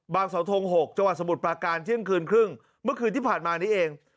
เสาทง๖จังหวัดสมุทรปราการเที่ยงคืนครึ่งเมื่อคืนที่ผ่านมานี้เอง